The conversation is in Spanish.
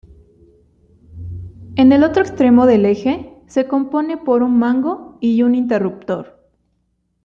En el otro extremo del eje se compone por un mango y un interruptor.